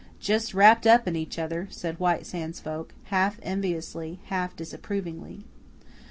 "Just wrapped up in each other," said White Sands folk, half enviously, half disapprovingly.